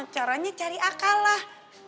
caranya cari akal lah